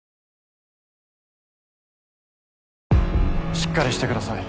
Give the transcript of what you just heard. しっかりしてください